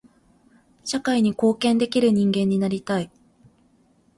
社会に貢献できる人間になりたい。